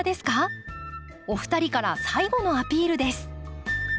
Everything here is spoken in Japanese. お二人から最後のアピールです。